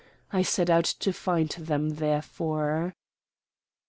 I set out to find them, therefore.